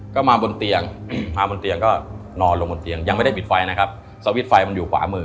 ก็มาบนเตียงมาบนเตียงก็นอนลงบนเตียงยังไม่ได้ปิดไฟนะครับสวิตช์ไฟมันอยู่ขวามือ